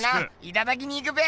いただきに行くべ！